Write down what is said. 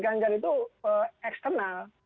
ganjar itu eksternal